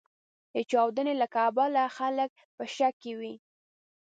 د چاودنې له کبله خلګ په شک کې و.